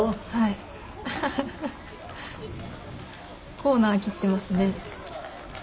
コーナー切っていますね。